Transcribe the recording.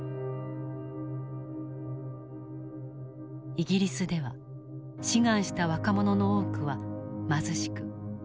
イギリスでは志願した若者の多くは貧しく失業者も多かった。